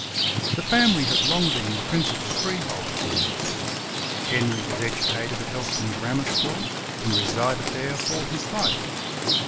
The family had long been the principal free holders in Helston. Henry was educated at Helston ^ammar school, and resided there all his life.